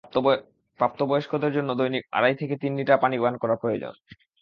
প্রাপ্তবয়স্কদের জন্য দৈনিক আড়াই থেকে তিন লিটার পানি পান করা প্রয়োজন।